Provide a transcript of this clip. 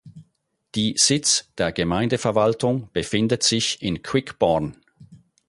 Die Sitz der Gemeindeverwaltung befindet sich in Quickborn.